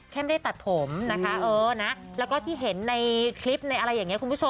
ไม่ได้ตัดผมนะคะเออนะแล้วก็ที่เห็นในคลิปในอะไรอย่างนี้คุณผู้ชม